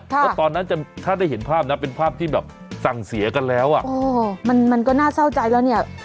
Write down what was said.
แล้วตอนนั้นถ้าได้เห็นภาพนะเป็นภาพที่แบบสั่งเสียกันแล้วอ่ะมันมันก็น่าเศร้าใจแล้วเนี่ย